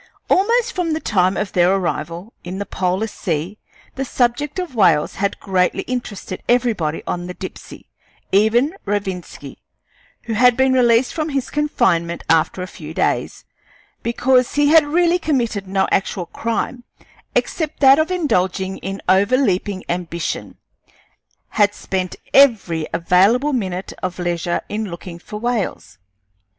Almost from the time of their arrival in the polar sea the subject of whales had greatly interested everybody on the Dipsey. Even Rovinski, who had been released from his confinement after a few days, because he had really committed no actual crime except that of indulging in overleaping ambition, had spent every available minute of leisure in looking for whales.